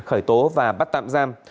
khởi tố và bắt tạm giam